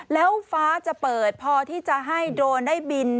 แล้วฟ้าจะเปิดพอที่จะให้โดรนได้บิน